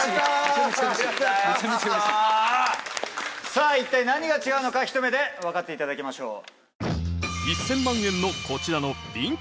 さぁ一体何が違うのかひと目でわかっていただきましょう。